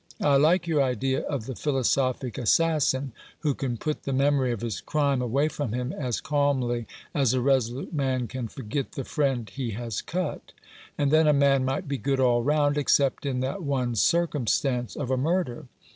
I like your idea of the philosophic assassin, who can put the memory of his crime away from him as calmly as a resolute man can forget the friend he has cut. And then a man might be good all round, except in that one circumstance of a murder.